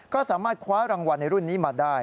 ก็สามารถคว้ารางวัลในรุ่นนี้มาได้